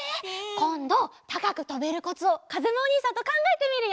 こんどたかくとべるコツをかずむおにいさんとかんがえてみるよ！